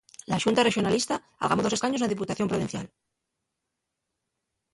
La Xunta Rexonalista algamó dos escaños na Diputación Provincial.